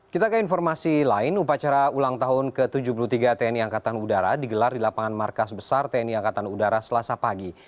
kita ke informasi lain upacara ulang tahun ke tujuh puluh tiga tni angkatan udara digelar di lapangan markas besar tni angkatan udara selasa pagi